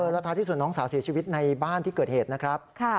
แล้วท้ายที่สุดน้องสาวเสียชีวิตในบ้านที่เกิดเหตุนะครับ